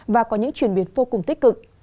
và có những chuyển biến vô cùng tích cực